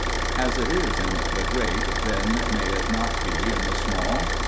As it is in the great, then, may it not be in the small?